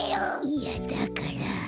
いやだから。